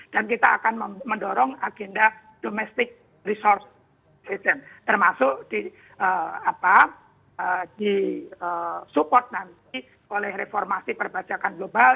dan kita akan mendorong agenda domestic resource taxation termasuk disupport nanti oleh reformasi perbajakan global